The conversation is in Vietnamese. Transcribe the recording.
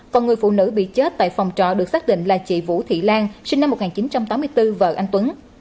còn người phụ nữ bị chết tại phòng trọ được xác định là chị vũ thị lan sinh năm một nghìn chín trăm tám mươi bốn vợ anh tuấn